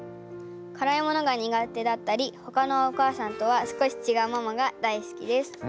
辛いものが苦手だったりほかのお母さんとは少し違うママが大好きです。